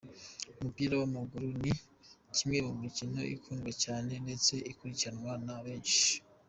Umupira w’amaguru ni kimwe mu mikino ikundwa cyane ndetse ukurikiranwa na benshi.